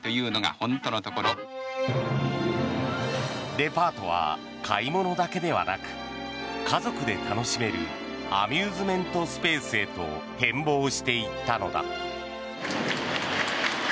デパートは買い物だけではなく家族で楽しめるアミューズメントスペースへと変ぼうしていったのだ。